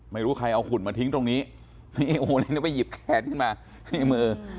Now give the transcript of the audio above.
ไม่รู้ใครเอาหุ่นมาทิ้งตรงนี้นี่โอ้โหแล้วไปหยิบแขนขึ้นมานี่มือ